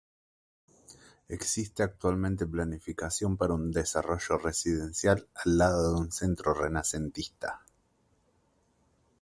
Existe actualmente planificación para un desarrollo residencial al lado de Centro Renacentista.